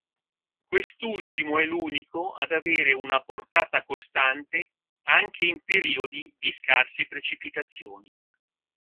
Quest'ultimo è l'unico ad avere una portata costante anche in periodi di scarse precipitazioni.